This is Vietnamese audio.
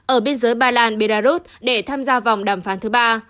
ở biên giới bà làn belarut để tham gia vòng đàm phán thứ ba